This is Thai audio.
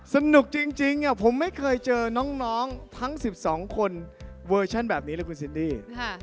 สนุกจริงผมไม่เคยเจอน้องทั้ง๑๒คนเวอร์ชั่นแบบนี้เลยคุณซินดี้